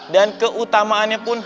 dan keutamaannya pun